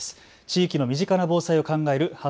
地域の身近な防災を考える＃